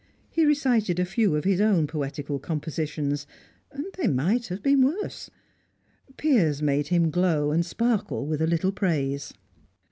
He recited a few of his own poetical compositions, and they might have been worse; Piers made him glow and sparkle with a little praise.